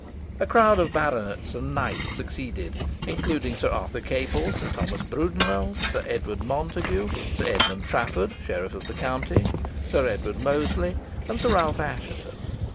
A crowd of baronets and knights succeeded, including Sir Arthur Capel, Sir Thomas Brudenell, Sir Edward Montague, Sir Edmund Trafford, sheriff of the county, Sir Edward Mosley, and Sir Ralph Assheton.